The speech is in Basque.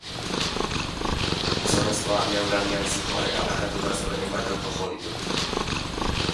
Gizonezkoa abiadura handian zihoan eta aparkatuta zeuden hainbat auto jo ditu.